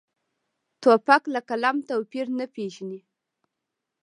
توپک له قلم توپیر نه پېژني.